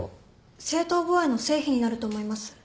正当防衛の成否になると思います。